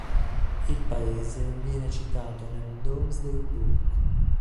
Il paese viene citato nel Domesday Book.